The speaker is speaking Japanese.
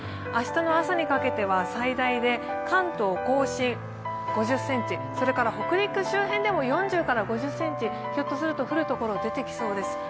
明日の朝にかけては最大で関東甲信５０ｃｍ、それから北陸周辺でも４０から５０ｃｍひょっとすると降る所、出てきそうです。